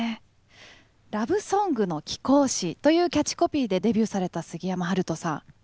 「ラブソングの貴公子」というキャッチコピーでデビューされた杉山春人さん。